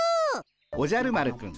おじゃる丸くん